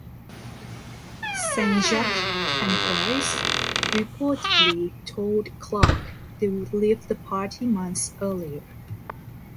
St-Jacques and Price reportedly told Clark they would leave the party months earlier.